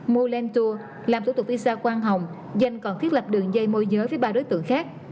mua lên tour làm thủ tục visa quang hồng danh còn thiết lập đường dây môi giới với ba đối tượng khác